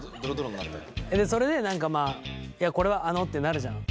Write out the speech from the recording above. それで何かまあ「いやこれはあの」ってなるじゃん。